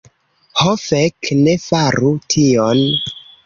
Ho fek, ne faru tion.